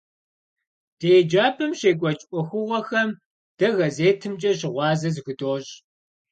Ди еджапӏэм щекӏуэкӏ ӏуэхугъуэхэм дэ газетымкӏэ щыгъуазэ зыхудощӏ.